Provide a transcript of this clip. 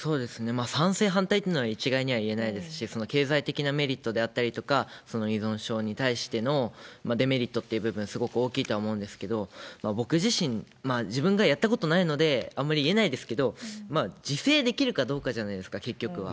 賛成、反対っていうのは一概には言えないですし、その経済的なメリットであったりとか、依存症に対してのデメリットという部分、すごく大きいと思うんですけれども、僕自身、自分がやったことないのであまり言えないんですけど、自制できるかどうかじゃないですか、結局は。